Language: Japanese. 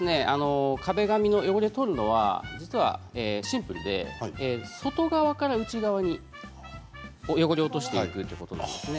壁紙の汚れを取るのは実はシンプルで外側から内側に汚れを落としていくということですね。